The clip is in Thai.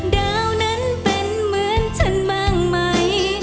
ดาวนั้นเป็นเหมือนฉันบ้างไหม